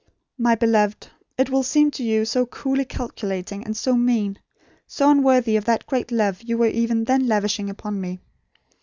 My beloved, it will seem to you so coolly calculating, and so mean; so unworthy of the great love you were even then lavishing upon me.